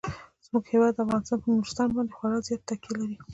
زموږ هیواد افغانستان په نورستان باندې خورا زیاته تکیه لري.